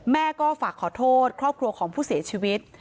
แม่ก็ฝากขอโทษครอบครัวของผู้เสียชีวิต